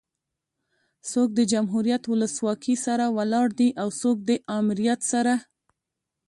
څوک د جمهوريت ولسواکي سره ولاړ دي او څوک ده امريت سره